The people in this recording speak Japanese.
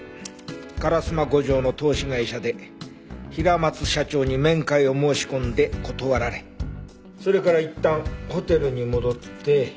烏丸五条の投資会社で平松社長に面会を申し込んで断られそれからいったんホテルに戻って。